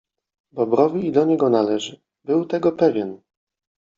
Bobrowi i do niego należy. Był tego pewien.